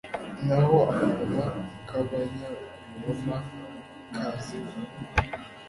naho akanwa k'abanyabinyoma kazibe